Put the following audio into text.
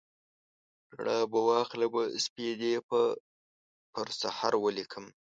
رڼا به واخلمه سپیدې به پر سحر ولیکم